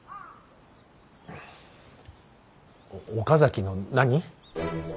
岡崎の何？